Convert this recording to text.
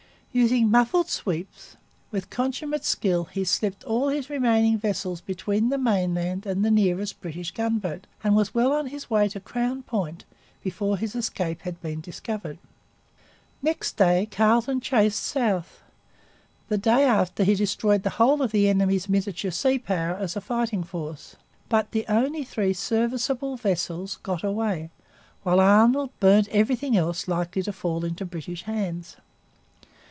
Using muffled sweeps, with consummate skill he slipped all his remaining vessels between the mainland and the nearest British gunboat, and was well on his way to Crown Point before his escape had been discovered. Next day Carleton chased south. The day after he destroyed the whole of the enemy's miniature sea power as a fighting force. But the only three serviceable vessels got away; while Arnold burnt everything else likely to fall into British hands.